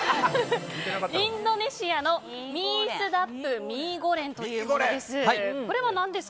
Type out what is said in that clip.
インドネシアのミースダップミーゴレンということです。